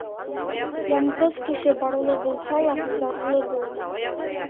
Яңғыҙ кеше барлы булһа ла, зарлы булыр.